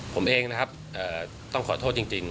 ผมเองนะครับต้องขอโทษจริง